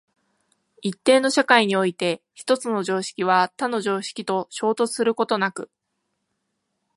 一定の社会において一つの常識は他の常識と衝突することなく、